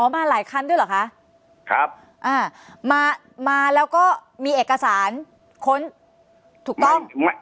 มาหลายคันด้วยเหรอคะครับอ่ามามาแล้วก็มีเอกสารค้นถูกต้อง